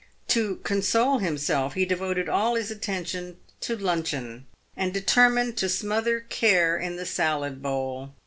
To console himself, he devoted all his atten tion to luncheon, and determined to smother care in the salad bowl.